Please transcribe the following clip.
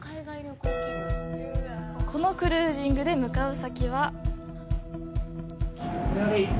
このクルージングで向かう先は。